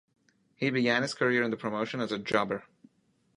He began his career in the promotion as a jobber.